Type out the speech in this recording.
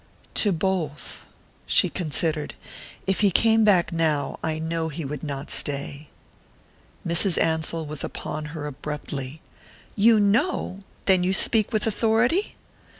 "To both." She considered. "If he came back now I know he would not stay." Mrs. Ansell was upon her abruptly. "You know? Then you speak with authority?"